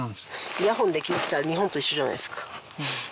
イヤホンで聴いてたら日本と一緒じゃないですか